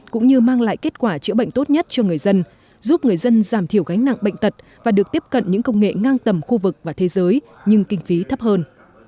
cũng như mang lại kết quả chữa bệnh tốt nhất cho người dân giúp người dân giảm thiểu gánh nặng bệnh tật và được tiếp cận những công nghệ ngang tầm khu vực và thế giới nhưng kinh phí thấp hơn